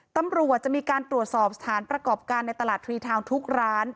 ตำรวจจะมีการตรวจสอบสถานประกอบการในตลาดทรีทาวน์ทุกร้าน